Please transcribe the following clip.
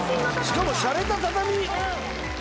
しかもしゃれた畳。